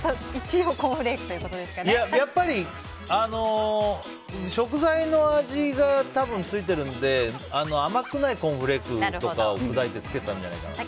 やっぱり食材の味が多分ついているので甘くないコーンフレークとか砕いてつけたんじゃないかって。